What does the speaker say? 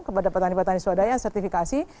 kepada petani petani swadaya sertifikasi